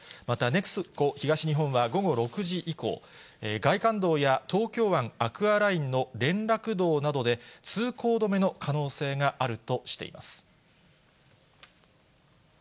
またＮＥＸＣＯ東日本は午後６時以降、外環道や東京湾アクアラインの連絡道などで、通行止めの可能性があるとしています。